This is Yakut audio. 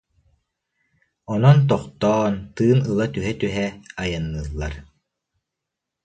Онон тохтоон, тыын ыла түһэ-түһэ, айанныыллар